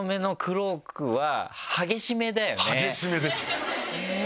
激しめです！